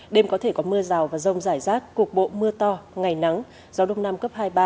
đêm có thể có mưa rào và rông rải rác cục bộ mưa to ngày nắng gió đông nam cấp hai mươi ba